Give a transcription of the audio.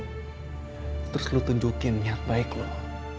kemudian kamu harus menunjukkan kebaikanmu